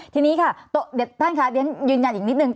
ทีนี้ค่ะท่านค่ะยืนยันอีกนิดนึง